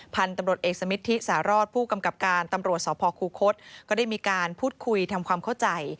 พันธุ์ตำรวจเอกสมิทธิสารอดผู้กำกับการตำรวจสพคูคศก็ได้มีการพูดคุยทำความเข้าใจ